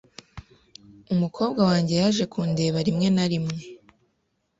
Umukobwa wanjye yaje kundeba rimwe na rimwe .